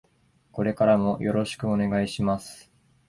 これからもよろしくお願いします。